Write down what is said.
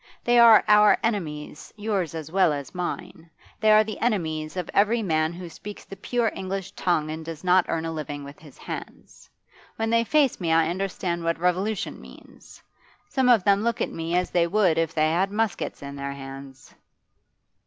They are our enemies, yours as well as mine; they are the enemies of every man who speaks the pure English tongue and does not earn a living with his hands. When they face me I understand what revolution means; some of them look at me as they would if they had muskets in their hands.